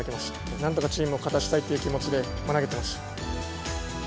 何とかチームを勝たせたいという気持ちで投げてました。